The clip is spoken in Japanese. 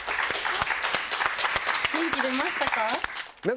元気出ましたか？